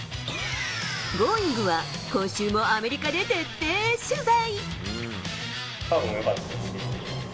Ｇｏｉｎｇ！は、今週もアメリカで徹底取材。